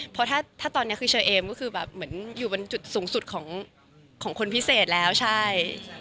เพราะถ้าตอนนี้คือเชอเอมก็คือแบบเหมือนอยู่บนจุดสูงสุดของคนพิเศษแล้วใช่